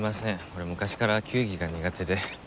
俺昔から球技が苦手で。